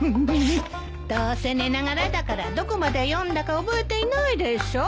どうせ寝ながらだからどこまで読んだか覚えていないでしょ？